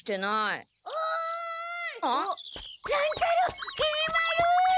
乱太郎きり丸！